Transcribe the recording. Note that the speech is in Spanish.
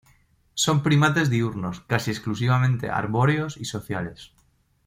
Son primates diurnos, casi exclusivamente arbóreos y sociales.